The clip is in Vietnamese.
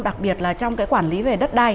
đặc biệt là trong cái quản lý về đất đai